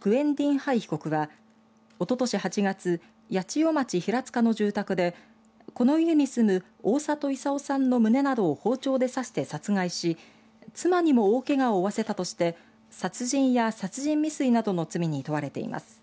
グエン・ディン・ハイ被告はおととし８月八千代町平塚の住宅でこの家に住む大里功さんの胸などを包丁で刺して殺害し妻にも大けがを負わせたとして殺人や殺人未遂などの罪に問われています。